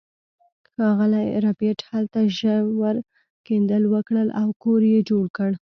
ښاغلي ربیټ هلته ژور کیندل وکړل او کور یې جوړ کړ